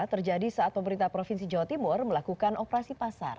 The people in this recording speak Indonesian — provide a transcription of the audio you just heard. terjadi saat pemerintah provinsi jawa timur melakukan operasi pasar